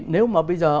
nếu mà bây giờ